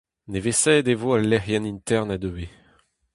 Nevesaet e vo al lec'hienn internet ivez.